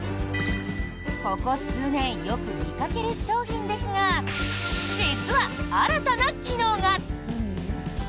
ここ数年よく見かける商品ですが実は、新たな機能が！